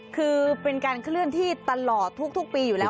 คือเป็นการเคลื่อนที่ตลอดทุกปีอยู่แล้ว